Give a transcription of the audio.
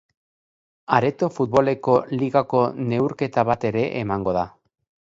Areto futboleko ligako neurketa bat ere emango da.